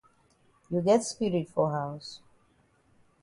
You get spirit for haus?